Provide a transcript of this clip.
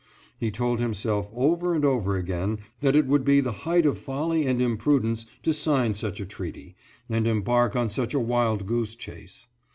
He told himself over and over again that it would be the height of folly and imprudence to sign such a treaty, and embark on such a wild goose chase.